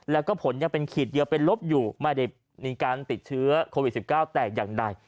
แล้วก็ผลยังเป็นขีดเดียวเป็นลบอยู่ไม่ได้มีการติดเชื้อโควิด๑๙แต่อย่างใด